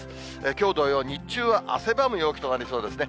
きょう同様、日中は汗ばむ陽気となりそうですね。